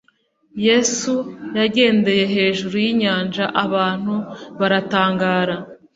yesu yagendeye hejuru yinyaja abantu baratangara